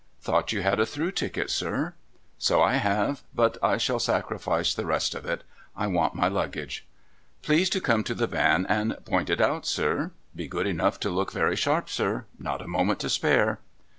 ' Thought you had a through ticket, sir ?'' So I have, but I shall sacrifice the rest of it. I want my luggage.' ' Please to come to the van and point it out, sir. Be good enough to look very sharp, sir. Not a moment to spare.'